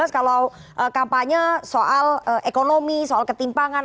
kalau kampanye soal ekonomi soal ketimpangan